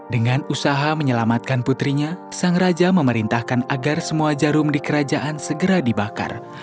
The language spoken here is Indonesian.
dengan usaha menyelamatkan putrinya sang raja memerintahkan agar semua jarum di kerajaan segera dibakar